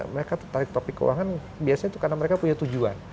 mereka tertarik topik keuangan biasanya itu karena mereka punya tujuan